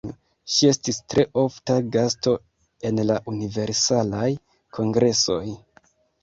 Ŝi estis tre ofta gasto en la Universalaj Kongresoj.